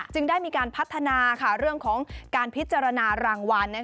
ได้มีการพัฒนาเรื่องของการพิจารณารางวัล